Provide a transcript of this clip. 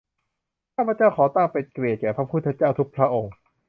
ข้าพเจ้าขอตั้งเพื่อเป็นเกียรติแก่พระพุทธเจ้าทุกพระองค์